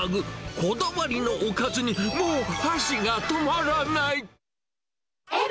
こだわりのおかずにもう箸が止まらない。